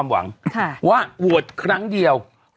วันนี้